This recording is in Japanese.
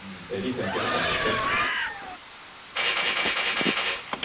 李先生の解説です。